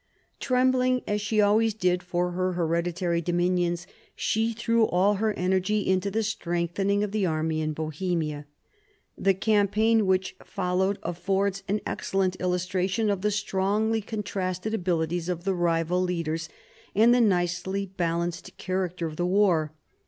Trembling as she always did for her hereditary dominions, she threw all her energy into the strengthening of the army in Bohemia. The campaign which followed affords an excellent illustration of the strongly contrasted abilities of the rival leaders, and of the nicely balanced character of the war.